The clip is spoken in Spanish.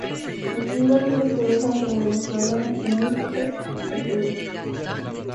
Escribió libros que versan sobre los problemas limítrofes del Perú.